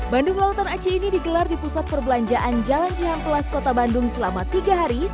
bandung lautan aci ini digelar di pusat perbelanjaan jalan jihang plus kota bandung selama tiga hari sejak delapan belas sampai dua puluh lima bulan